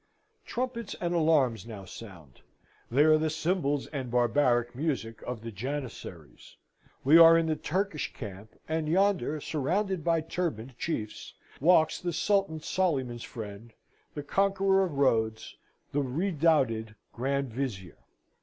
Trumpets and alarms now sound; they are the cymbals and barbaric music of the Janissaries: we are in the Turkish camp, and yonder, surrounded by turbaned chiefs, walks the Sultan Solyman's friend, the conqueror of Rhodes, the redoubted Grand Vizier.